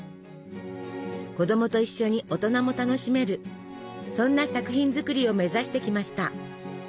子供と一緒に大人も楽しめるそんな作品作りを目指してきました。